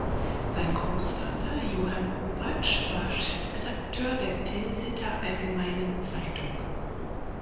Sein Großvater "Johann Hubatsch" war Chefredakteur der "Tilsiter Allgemeinen Zeitung".